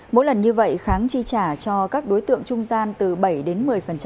mỗi lần như vậy kháng chi trả cho các đối tượng trung gian từ bảy đến một mươi